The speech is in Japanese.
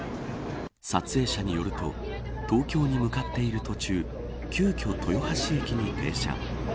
撮影者によると東京に向かっている途中急きょ豊橋駅に停車。